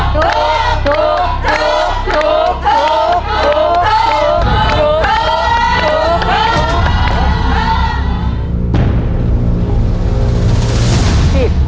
ถูกถูกถูกถูก